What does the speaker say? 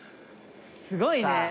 すごいね。